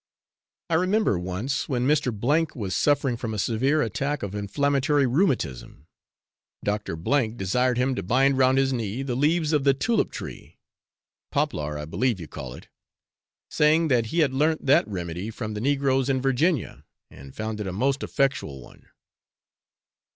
I remember once, when Mr. was suffering from a severe attack of inflammatory rheumatism, Doctor C desired him to bind round his knee the leaves of the tulip tree poplar, I believe you call it saying that he had learnt that remedy from the negroes in Virginia, and found it a most effectual one.